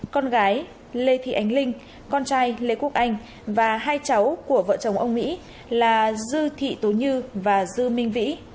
con gái lê thị ánh linh con trai lê quốc anh và hai cháu của vợ chồng ông mỹ là dư thị tú như và dư minh vĩ